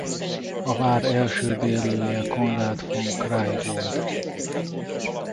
A vár első bérlője Konrad von Kraig volt.